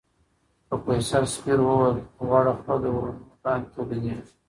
پروفیسوره سپېر وویل غوړه خوله د ورنونو لاندې تولیدېږي.